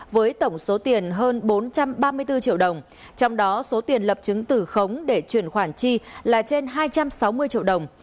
với tổng số tiền hơn bốn trăm ba mươi bốn triệu đồng trong đó số tiền lập chứng tử khống để chuyển khoản chi là trên hai trăm sáu mươi triệu đồng